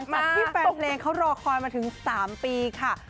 กับที่แฟนเพลงเขารอคอยมาถึง๓ปีค่ะ